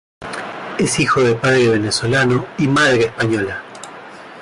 Es hijo de padre venezolano y madre española.